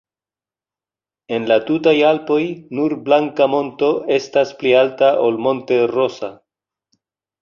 En la tutaj Alpoj, nur Blanka Monto estas pli alta ol Monte-Rosa.